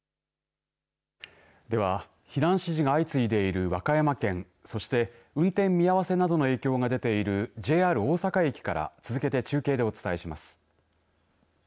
では避難指示が相次いでいる和歌山県そして運転見合わせなどの影響が出ているＪＲ大阪駅から続けて中継でお伝えします。